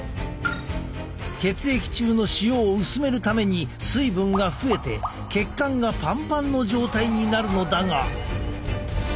血液中の塩を薄めるために水分が増えて血管がパンパンの状態になるのだが。